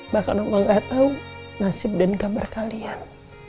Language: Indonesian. bahkan oma enggak tahu nasib dan gambar kalian